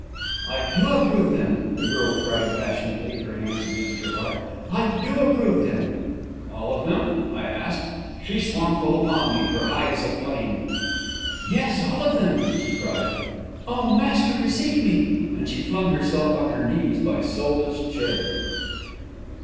"I do approve them" the girl cried passionately, her hands against her heart. "I do approve them!" "All of them?" I asked. She swung full upon me, her eyes aflame. "Yes, all of them!" she cried. "Oh, Master, receive me!" and she flung herself on her knees by Silva's chair.